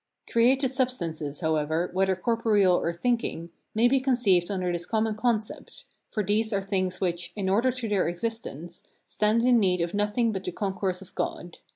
Created substances, however, whether corporeal or thinking, may be conceived under this common concept; for these are things which, in order to their existence, stand in need of nothing but the concourse of God.